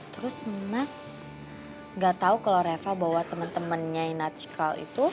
terus mas gak tau kalau reva bawa temen temennya ina cikal itu